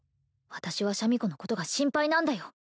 私はシャミ子のことが心配なんだよ